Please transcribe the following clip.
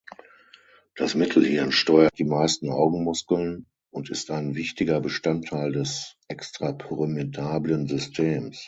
Das Mittelhirn steuert die meisten Augenmuskeln und ist ein wichtiger Bestandteil des extrapyramidalen Systems.